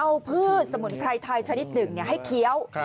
เอาพืชสมุนไพรไทยชนิดหนึ่งให้เคี้ยว